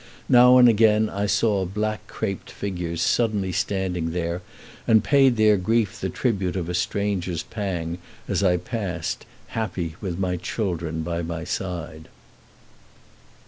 Now and again I saw black craped figures silently standing there, and paid their grief the tribute of a stranger's pang as I passed, happy with my children by my side.